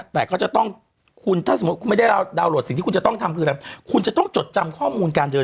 แต่ก็จะต้องคุณถ้าสมมุติคุณไม่ได้ดาวน์โหลดอะที่คุณจะต้องทำคือ